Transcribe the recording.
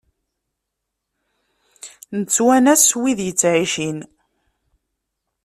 Nettwanas wid ittɛicin.